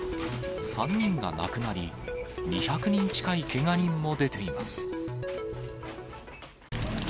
３人が亡くなり、２００人近いけが人も出ています。